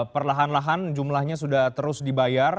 perlahan lahan jumlahnya sudah terus dibayar